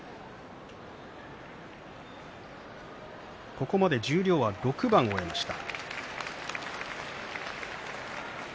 ここまで十両は６番を終えました。